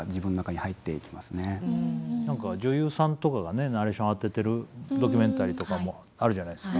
何か女優さんとかがねナレーション当ててるドキュメンタリーとかもあるじゃないですか。